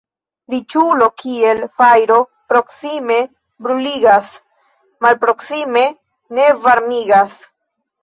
Riĉulo kiel fajro proksime bruligas, malproksime ne varmigas.